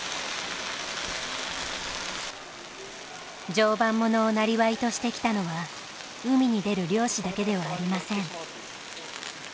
常磐ものをなりわいとしてきたのは海に出る漁師だけではありません。